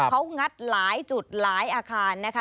เขางัดหลายจุดหลายอาคารนะคะ